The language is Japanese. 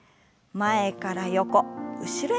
前から横後ろへ。